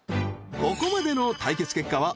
［ここまでの対決結果は］